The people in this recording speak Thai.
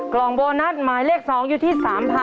กล่องโบนัสหมายเลข๒อยู่ที่๓๐๐๐